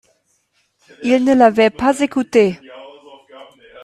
Ils ne l'avaient pas écouté.